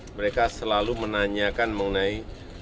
mereka selalu menanyakan mengenai